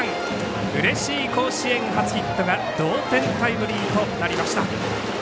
うれしい甲子園初ヒットが同点タイムリーとなりました。